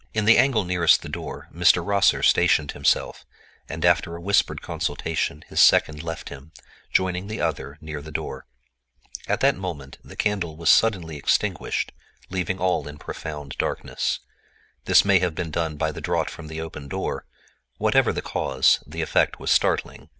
In the angle nearest the door Mr. Rosser stationed himself, and after a whispered consultation his second left him, joining the other near the door. At that moment the candle was suddenly extinguished, leaving all in profound darkness. This may have been done by a draught from the opened door; whatever the cause, the effect was startling.